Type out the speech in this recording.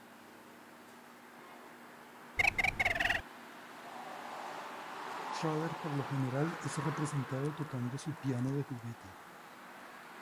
Schroeder por lo general es representado tocando su piano de juguete.